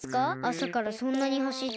あさからそんなにはしって。